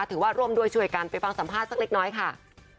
ถือว่าร่วมด้วยช่วยกันไปฟังสัมภาษณ์สักเล็กน้อยค่ะ